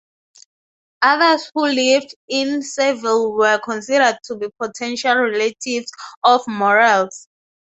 Others who lived in Seville were considered to be potential relatives of Morales.